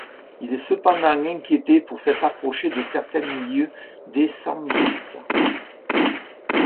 Il est cependant inquiété pour s'être approché de certains milieux décembristes.